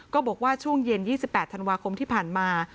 บอกว่าช่วงเย็น๒๘ธันวาคมที่ผ่านมา